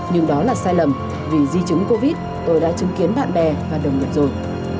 nhưng đó là sai lầm vì di chứng covid tôi đã chứng kiến bạn bè và đồng nghiệp rồi